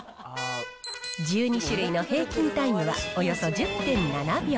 １２種類の平均タイムはおよそ１０．７秒。